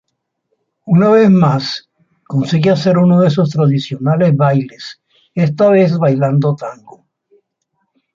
Una vez más, consigue hacer uno de sus tradicionales bailes, esta vez bailando tango.